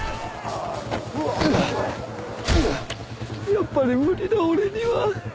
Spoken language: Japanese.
やっぱり無理だ俺には。